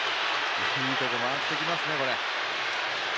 いいところに回ってきますね。